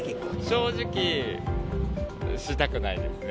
正直、したくないですね。